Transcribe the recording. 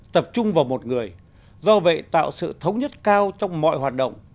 tập trung vào một người do vậy tạo sự thống nhất cao trong mọi hoạt động